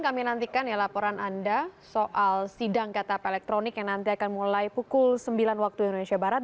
kami nantikan ya laporan anda soal sidang ktp elektronik yang nanti akan mulai pukul sembilan waktu indonesia barat